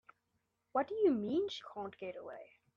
What do you mean she can't get away?